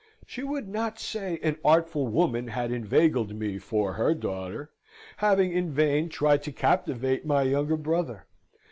She would not say an artful woman had inveigled me for her daughter, having in vain tried to captivate my younger brother.